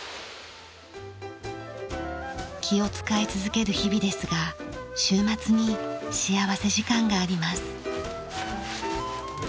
気を使い続ける日々ですが週末に幸福時間があります。